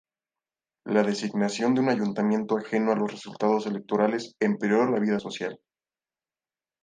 La designación de un ayuntamiento ajeno a los resultados electorales empeoró la vida social.